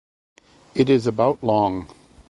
It is about long.